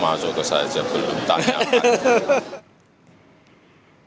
masuk ke kelas aja belum tanya